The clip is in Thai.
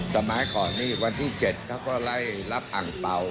สมัยก่อนนี่วันที่๗เขาก็ไล่รับอังเป่า